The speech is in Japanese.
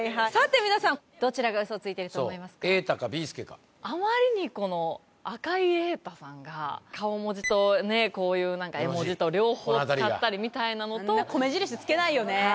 さて皆さんあまりにこの赤井Ａ太さんが顔文字とこういう絵文字と両方使ったりみたいなのと米印つけないよね